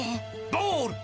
ボール！